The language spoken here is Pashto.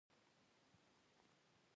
تړون لاسلیک کړ.